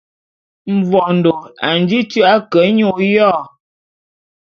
Mvondô a nji tu’a ke nya oyô.